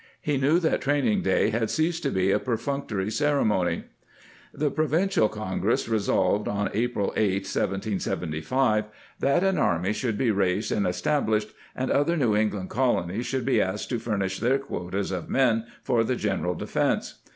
He knew that training day had ceased to be a perfunctory cere mony. 1 The Provincial Congress resolved, on April 8; 1 775, that an army should be raised and estab lished, and other New England colonies should be asked to furnish their quotas of men for the general defence.